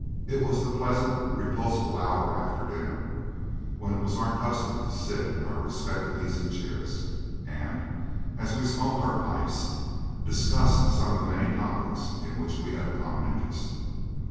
It was the pleasant, reposeful hour after dinner when it was our custom to sit in our respective easy chairs and, as we smoked our pipes, discuss some of the many topics in which we had a common interest.